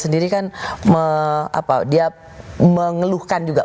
sendiri kan dia mengeluhkan juga